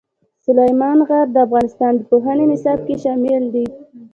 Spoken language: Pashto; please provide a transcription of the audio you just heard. سلیمان غر د افغانستان د پوهنې نصاب کې شامل دي.